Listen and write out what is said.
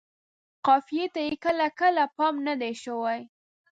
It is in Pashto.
قافیې ته یې کله کله پام نه دی شوی.